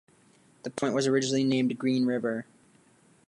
The point was originally named Green River.